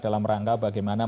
dalam rangka bagaimana